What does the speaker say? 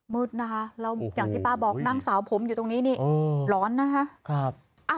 มืดนะคะแล้วอย่างที่ป้าบอกนางสาวผมอยู่ตรงนี้นี่ร้อนนะคะ